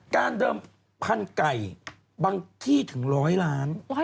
การเดิมพันธุ์ไก่บางที่ถึง๑๐๐ล้าน